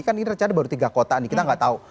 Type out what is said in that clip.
kan ini rencana baru tiga kota nih kita nggak tahu